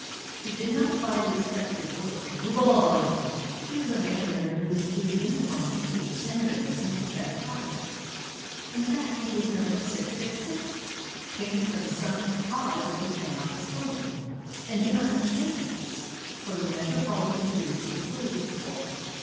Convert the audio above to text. He did not apply the expected words "move on." He was a man under whose blue uniform beat a tender and sympathetic heart. In fact, he was Number 666 changed from some cause that we cannot explain, and do not understand from the Metropolitan to the City Police Force.